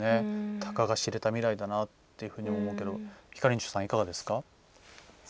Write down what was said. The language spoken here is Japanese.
たかが知れた未来だなと思いますけどひかりんちょさん、いかがですか。